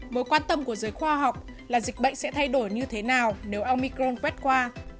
mối quan tâm của giới khoa học là dịch bệnh sẽ thay đổi như thế nào nếu omicron quét qua